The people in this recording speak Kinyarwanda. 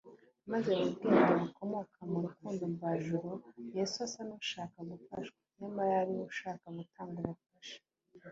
, maze mu bwenge bukomoka mu rukundo mvajuru, Yesu asa n’ushaka gufashwa, nyamara ari we washakaga gutanga ubufasha